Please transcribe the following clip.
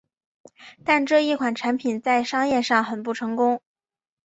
但这一款产品在商业上很不成功。